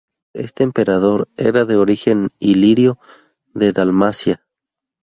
Este emperador era de origen ilirio, de Dalmacia.